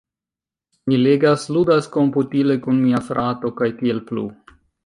mi legas, ludas komputile kun mia frato, kaj tiel plu.